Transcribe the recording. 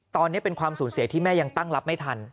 ตอนนี้เป็นความสูญเสียที่แม่ยังตั้งรับไม่ทัน